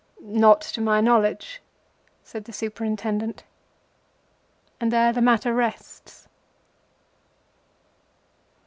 "Not to my knowledge," said the Superintendent. And there the matter rests.